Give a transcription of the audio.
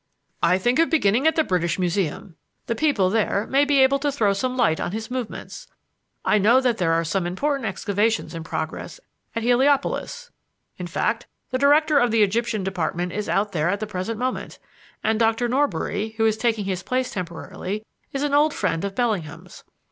"I think of beginning at the British Museum. The people there may be able to throw some light on his movements. I know that there are some important excavations in progress at Heliopolis in fact, the Director of the Egyptian Department is out there at the present moment; and Doctor Norbury, who is taking his place temporarily, is an old friend of Bellingham's.